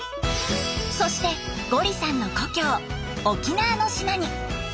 そしてゴリさんの故郷沖縄の島に。